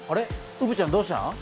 うぶちゃんどうしたん？